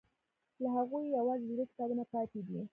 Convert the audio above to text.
له هغوی یوازې درې کتابونه پاتې دي.